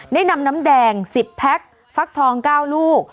ได้นำน้ำแดง๑๐แพ็คฟักทอง๙ลูก